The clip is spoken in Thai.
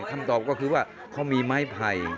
คำตอบก็คือว่าเขามีไม้ไผ่